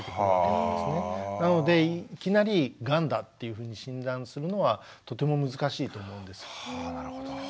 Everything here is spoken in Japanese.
なのでいきなりがんだっていうふうに診断するのはとても難しいと思うんです。